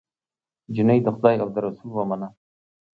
جینۍ د خدای او د رسول ومنه